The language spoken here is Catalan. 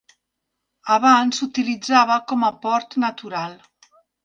Abans s'utilitzava com a port natural.